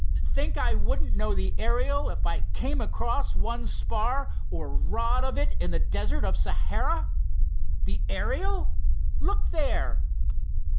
"Think I wouldn't know the Ariel if I came across one spar, or rod of it in the desert of Sahara? The Ariel? Look there!"